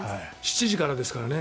７時からですね。